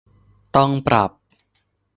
ต้องปรับ